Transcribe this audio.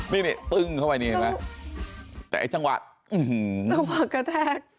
นี่นี่ปึ้งเข้าไปนี่เห็นไหมแต่ไอ้จังหวะจังหวะกระแทก